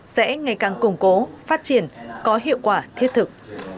sẽ ngày càng củng cố phát triển có hiệu quả thiết thực